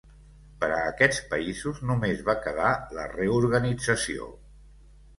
Per a aquests països només va quedar la reorganització.